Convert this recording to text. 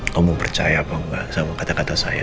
kau mau percaya apa enggak sama kata kata saya